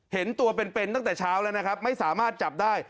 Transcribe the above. เห็นตัวเป็นตั้งแต่เช้าแล้วนะครับไม่สามารถจับได้